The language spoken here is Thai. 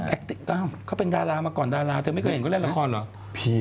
แอคติกเต้อเค้าก็เป็นดารามาก่อนดาราเธอไม่เคยเห็นเขาเล่นลักษณ์หรอ